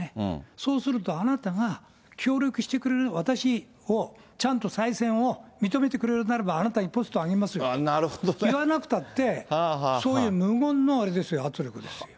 そうすると、あなたが協力してくれれば、私を、ちゃんと再選を認めてくれるならば、あなたにポストをあげますよと、言わなくたって、そういう無言のあれですよ、圧力ですよ。